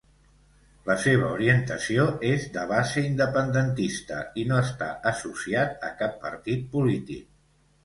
La seva orientació és de base independentista i no està associat a cap partit polític.